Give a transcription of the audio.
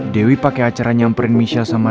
dewi pake acara nyamperin michelle sama dia